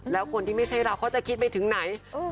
แล้วคนที่ไม่ใช่เราเขาจะคิดไม่ถึงไหน